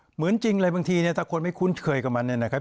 เหมือนจริงเลยบางทีเนี่ยถ้าคนไม่คุ้นเคยกับมันเนี่ยนะครับ